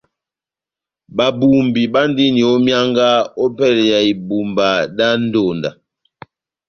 Babumbi bandini ó myánga ópɛlɛ ya ibumba dá ndonda.